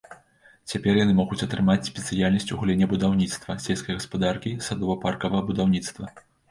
Цяпер яны могуць атрымаць спецыяльнасць ў галіне будаўніцтва, сельскай гаспадаркі, садова-паркавага будаўніцтва.